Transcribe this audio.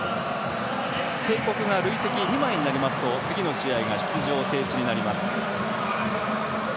警告が累積２枚になりますと次の試合が出場停止になります。